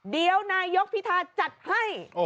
เดี๋ยวนายกพิธาจัดให้